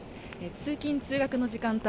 通勤・通学の時間帯